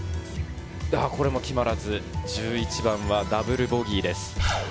これも決まらず、１１番はダブルボギーです。